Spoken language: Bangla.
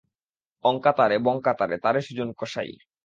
অঙ্কা তারে, বঙ্কা তারে, তারে সুজন কসাই।